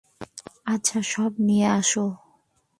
আচ্ছা, সব নিয়ে আসো।